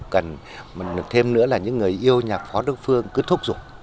cần thêm nữa là những người yêu nhạc phó đức phương cứ thúc giục